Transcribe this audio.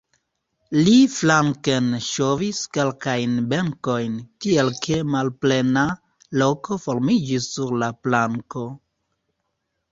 Li flanken ŝovis kelkajn benkojn, tiel ke malplena loko formiĝis sur la planko.